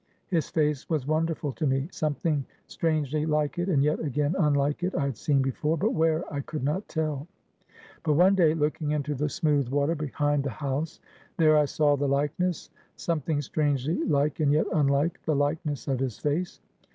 His face was wonderful to me. Something strangely like it, and yet again unlike it, I had seen before, but where, I could not tell. But one day, looking into the smooth water behind the house, there I saw the likeness something strangely like, and yet unlike, the likeness of his face.